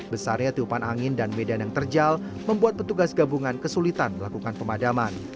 besarnya tiupan angin dan medan yang terjal membuat petugas gabungan kesulitan melakukan pemadaman